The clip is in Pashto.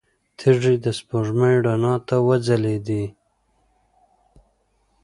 تيږې د سپوږمۍ رڼا ته وځلېدې.